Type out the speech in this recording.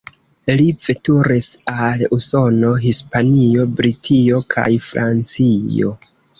Li veturis al Usono, Hispanio, Britio kaj Francio.